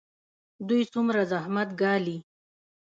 دوی څومره زحمت ګالي؟